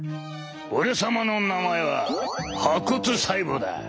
「俺様の名前は破骨細胞だ！